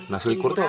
nah salikur itu apa